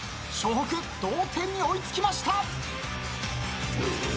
北同点に追い付きました。